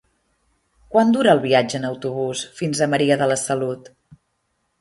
Quant dura el viatge en autobús fins a Maria de la Salut?